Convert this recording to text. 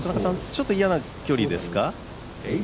ちょっと嫌な距離ですか？